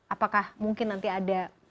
apakah mungkin nanti ada